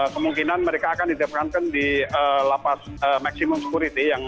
kemungkinan mereka akan ditempatkan di lapas maksimum security